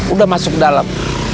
udah masuk dalam